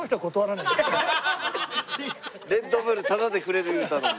レッドブルタダでくれる言うたのに。